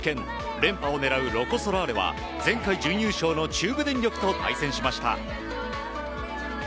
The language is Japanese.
連覇を狙うロコ・ソラーレは前回、準優勝の中部電力と対戦しました。